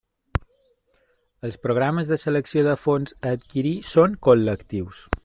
Els programes de selecció de fons a adquirir són col·lectius.